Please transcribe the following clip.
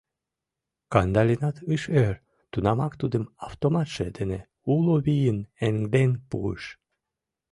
Кандалинат ыш ӧр, тунамак тудым автоматше дене уло вийын эҥден пуыш.